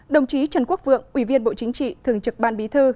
đồng chí trần quốc vượng ủy viên bộ chính trị thường trực ban bí thư